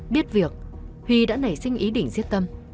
biết việc huy đã nảy sinh ý định giết tâm